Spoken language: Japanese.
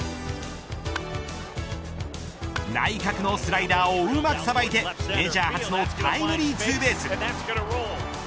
内角のスライダーをうまくさばいて、メジャー初のタイムリーツーベース。